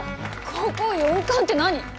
高校４冠って何！？